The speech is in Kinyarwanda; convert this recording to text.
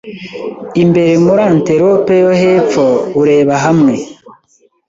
Imbere muri Antelope yo hepfo ureba hamwe